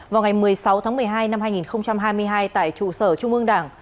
vào ngày một mươi sáu tháng một mươi hai năm hai nghìn hai mươi hai tại trụ sở trung ương đảng